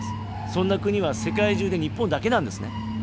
そんな国は世界中で日本だけなんですね。